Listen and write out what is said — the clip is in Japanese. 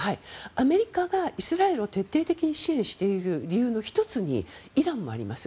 アメリカがイスラエルを徹底的に支援している理由の１つにイランもあります。